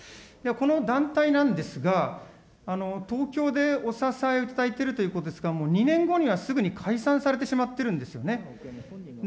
この団体なんですが、東京でお支えをいただいているということですが、もう２年後にはすぐに解散されてしまってるんですよね。